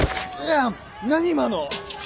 ああっ何今の！？